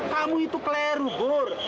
kamu itu keleru bur